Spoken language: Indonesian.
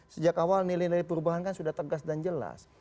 sejak awal nilai nilai perubahan kan sudah tegas dan jelas